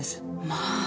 まあ。